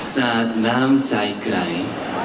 สาดน้ำใส่ใคร